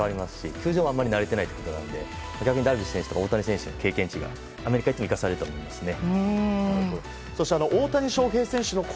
球場にも慣れていないのでダルビッシュ選手や大谷選手の経験値がアメリカに行って生かされると思いますね。